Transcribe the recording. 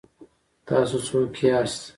تاسو څوک یاست؟